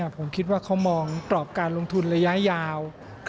ผมคิดว่าเขามองกรอบการลงทุนระยะยาว